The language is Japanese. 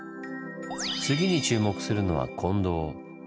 次に注目するのは金堂。